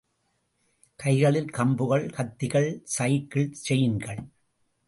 கைகளில் கம்புகள், கத்திகள், சைக்கிள் செயின்கள்.